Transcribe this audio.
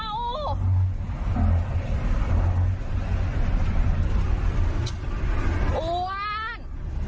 อ้วน